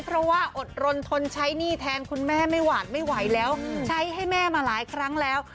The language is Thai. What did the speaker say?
เพราะว่าอดรนทนใช้หนี้แทนคุณแม่ไม่หวาดไม่ไหวแล้วใช้ให้แม่มาหลายครั้งแล้ว